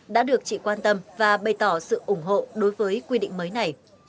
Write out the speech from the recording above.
đã được chị quan tâm và bày tỏ sự ủng hộ đối với quy định mới này